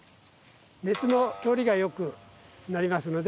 熱の通りがよくなりますので。